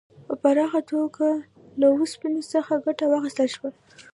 په پراخه توګه له اوسپنې څخه ګټه واخیستل شوه.